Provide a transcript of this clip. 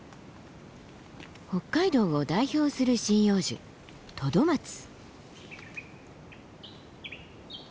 北海道を代表する針葉樹トドマツ。